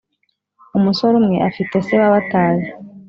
Umusore umwe ufite se wabataye